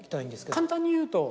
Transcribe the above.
簡単に言うと。